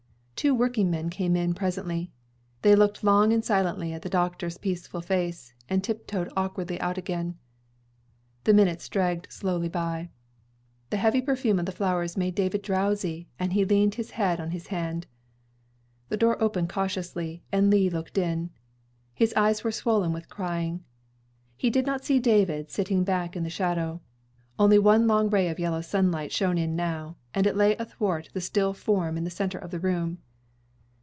Two working men came in presently. They looked long and silently at the doctor's peaceful face, and tiptoed awkwardly out again. The minutes dragged slowly by. The heavy perfume of the flowers made David drowsy, and he leaned his head on his hand. The door opened cautiously, and Lee looked in. His eyes were swollen with crying. He did not see David sitting back in the shadow. Only one long ray of yellow sunlight shone in now, and it lay athwart the still form in the center of the room.